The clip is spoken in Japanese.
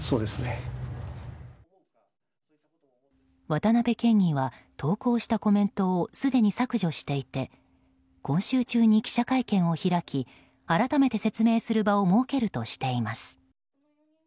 渡辺県議は投稿したコメントをすでに削除していて今週中に記者会見を開き改めて説明する場を設けるとしています。